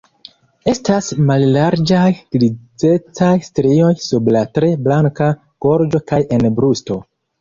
Estas mallarĝaj grizecaj strioj sub la tre blanka gorĝo kaj en brusto.